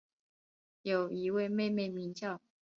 有一位妹妹名叫。